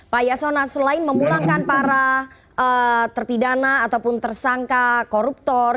pak yasona selain memulangkan para terpidana ataupun tersangka koruptor